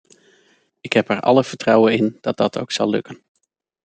Ik heb er alle vertrouwen in dat dat ook zal lukken.